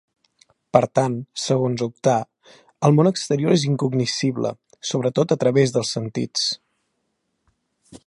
Per tant, segons Oktar, el món exterior és incognoscible, sobretot a través dels sentits.